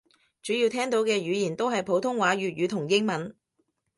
主要聽到嘅語言都係普通話粵語同英文